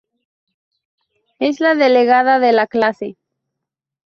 Es la delegada de la clase.